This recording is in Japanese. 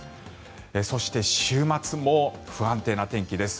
そして、週末も不安定な天気です。